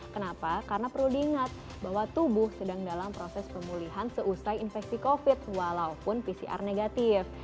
kenapa karena perlu diingat bahwa tubuh sedang dalam proses pemulihan seusai infeksi covid walaupun pcr negatif